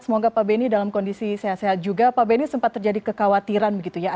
semoga pak benny dalam kondisi sehat sehat juga pak benny sempat terjadi kekhawatiran begitu ya